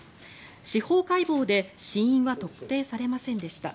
司法解剖で死因は特定されませんでいた。